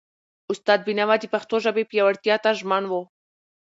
استاد بینوا د پښتو ژبې پیاوړتیا ته ژمن و.